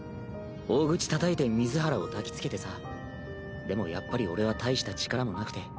大口たたいて水原をたきつけてさでもやっぱり俺は大した力もなくて。